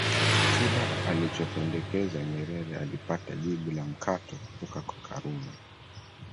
Kila alichopendekeza Nyerere alipata jibu la mkato kutoka kwa Karume